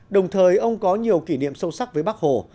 đồng thời ông có nhiều kỷ niệm sâu sắc với bác hồ